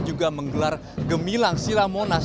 juga menggelar gemilang silang monas